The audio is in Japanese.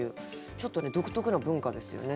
ちょっとね独特な文化ですよね。